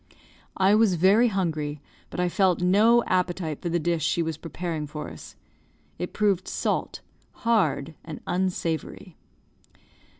I was very hungry, but I felt no appetite for the dish she was preparing for us. It proved salt, hard, and unsavoury.